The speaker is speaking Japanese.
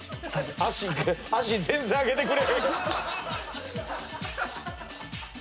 足全然上げてくれへん。